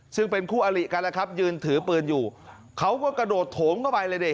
ซึ่งเป็นคู่อลิกันแหละครับยืนถือปืนอยู่เขาก็กระโดดโถงเข้าไปเลยดิ